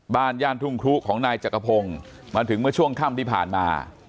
ย่านทุ่งครุของนายจักรพงศ์มาถึงเมื่อช่วงค่ำที่ผ่านมา